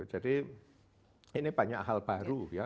jadi ini banyak hal baru ya